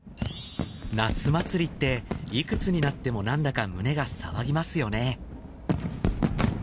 夏祭りっていくつになってもなんだか胸が騒ぎますよね。